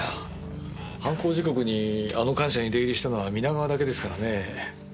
犯行時刻にあの官舎に出入りしたのは皆川だけですからね。